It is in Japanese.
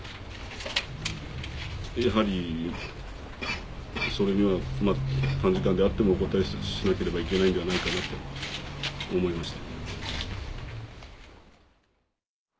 やはりそれには短時間であってもお応えしなければいけないんじゃないかなと思いました。